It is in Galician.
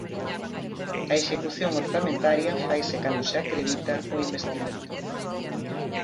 A execución orzamentaria faise cando se acredita o investimento.